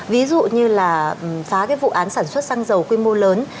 ví dụ như là phá cái vụ án sản xuất xăng dầu quy mô lớn